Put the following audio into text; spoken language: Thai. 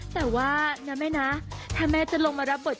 แต่ว่านะแม่นะถ้าแม่จะลงมารับบท